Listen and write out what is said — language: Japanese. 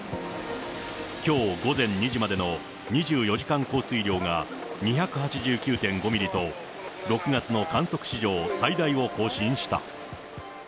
きょう午前２時までの２４時間降水量が２８９．５ミリと、６月の観測史上最大を更新した。